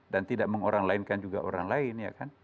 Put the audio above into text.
dan tidak mengoranglankan juga orang lain